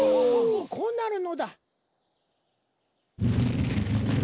こうなるのだ。